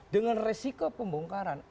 dengan resiko pembongkaran